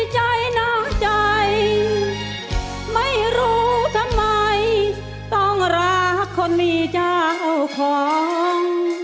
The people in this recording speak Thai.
ใจนอกใจไม่รู้ทำไมต้องรักคนมีเจ้าของ